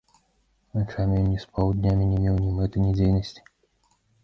Начамі ён не спаў, днямі не меў ні мэты, ні дзейнасці.